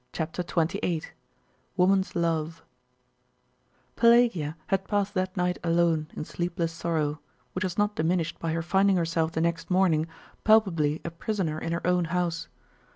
CHAPTER XXVIII: WOMAN'S LOVE Pelagia had passed that night alone in sleepless sorrow, which was not diminished by her finding herself the next morning palpably a prisoner in her own house.